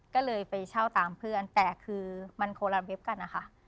ก็เลยไปเช่าตามเพื่อนแต่คือมันคนละเว็บกันนะคะ